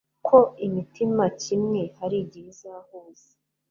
ko imitima kimwe hari igihe izahuza